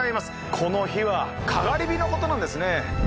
この火はかがり火のことなんですね。